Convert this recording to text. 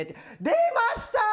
出ました！